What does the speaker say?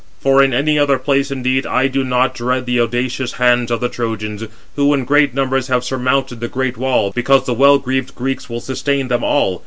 For in any other place, indeed, I do not dread the audacious hands of the Trojans, who in great numbers have surmounted the great wall, because the well greaved Greeks will sustain them all.